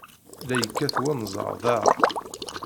La yekkat wenẓar daɣ!